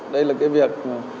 đây là cái việc